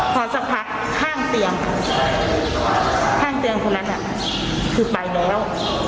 พอสักพักข้างเตียงข้างเตียงคนนั้นคือไปแล้ว